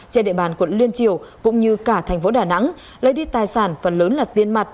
trên địa bàn quận liên triều cũng như cả thành phố đà nẵng lấy đi tài sản phần lớn là tiên mặt